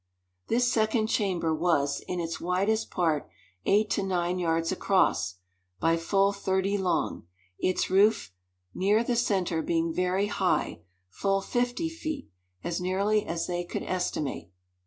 This second chamber was, in its widest part, eight to nine yards across, by full thirty long; its roof near the center being very high full fifty feet as nearly as they could estimate.